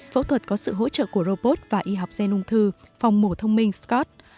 phẫu thuật có sự hỗ trợ của robot và y học gen ung thư phòng mổ thông minh scott